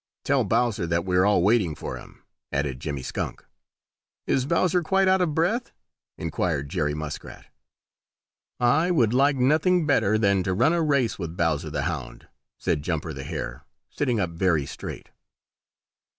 "Tell Bowser that we are all waiting for him," added Jimmy Skunk. "Is Bowser quite out of breath?" inquired Jerry Muskrat. "I would like nothing better than to run a race with Bowser the Hound," said Jumper the Hare, sitting up very straight.